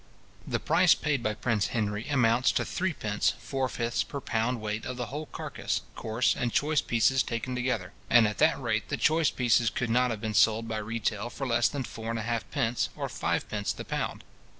The price paid by Prince Henry amounts to 3d. 4/5ths per pound weight of the whole carcase, coarse and choice pieces taken together; and at that rate the choice pieces could not have been sold by retail for less than 4½d. or 5d. the pound.